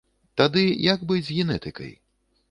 Тады як быць з генетыкай?